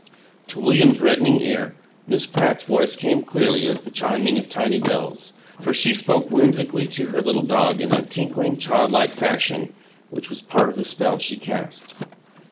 To William's reddening ear Miss Pratt's voice came clearly as the chiming of tiny bells, for she spoke whimsically to her little dog in that tinkling childlike fashion which was part of the spell she cast.